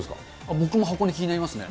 僕も箱根、気になりますね。